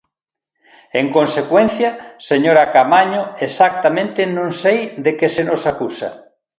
En consecuencia, señora Caamaño, exactamente non sei de que se nos acusa.